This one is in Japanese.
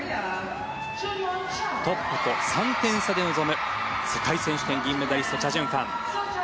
トップと３点差で臨む世界選手権銀メダリストチャ・ジュンファン。